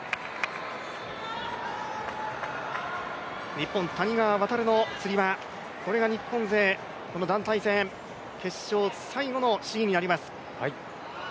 日本、谷川航のつり輪、これが日本勢団体戦決勝最後の試技になります。